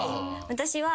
私は。